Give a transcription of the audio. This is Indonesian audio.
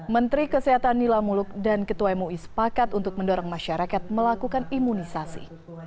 menteri kesehatan nila muluk dan ketua mui sepakat untuk mendorong masyarakat melakukan imunisasi